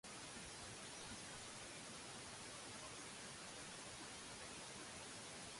It is most often encountered as a bycatch species in pelagic longline fisheries.